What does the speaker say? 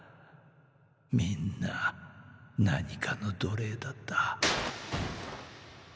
みんな何かの奴隷だった。